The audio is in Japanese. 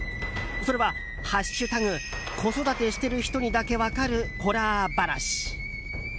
それは「＃子育てしてる人にだけ分かるホラー話」。